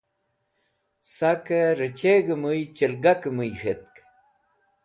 Sakẽ rechẽg̃hẽ mũy chelgakẽ mũy k̃hetk.